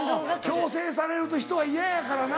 強制されると人は嫌やからな。